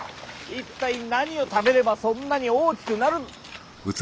一体何を食べればそんなに大きくなる。